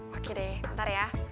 oke deh ntar ya